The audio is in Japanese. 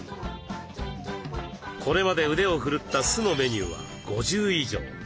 これまで腕を振るった酢のメニューは５０以上。